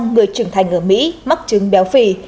ba mươi tám người trưởng thành ở mỹ mắc trứng béo phì